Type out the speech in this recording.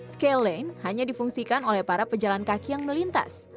scalene hanya difungsikan oleh para pejalan kaki yang melintas